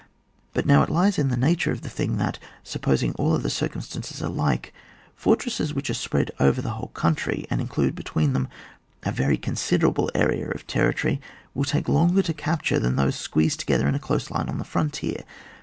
But now it lies in the nature of the thing that, supposing aU other circumstances alike, fortresses which are spread over the whole country, and include between them a very considerable area of territory, will take longer to capture than those squeezed together in a close line on the frontier.